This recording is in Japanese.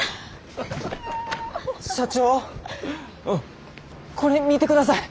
社長これ見てください。